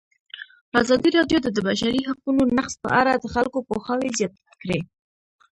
ازادي راډیو د د بشري حقونو نقض په اړه د خلکو پوهاوی زیات کړی.